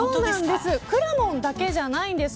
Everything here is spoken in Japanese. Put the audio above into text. くらもんだけじゃないんです。